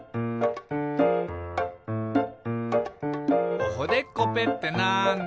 「おほでっこぺってなんだ？」